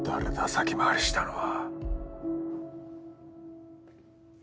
先回りしたのは。